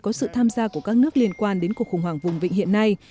có sự tham gia của các nước liên quan đến cuộc khủng hoảng vùng vịnh hiện nay